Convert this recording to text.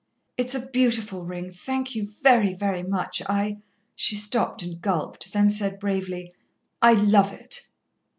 "It's a beautiful ring; thank you very, very much. I " She stopped and gulped, then said bravely, "I love it."